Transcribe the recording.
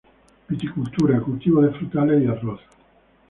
Viticultura; cultivo de frutales y arroz.